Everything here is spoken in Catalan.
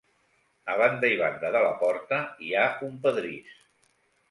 A banda i banda de la porta, hi ha un pedrís.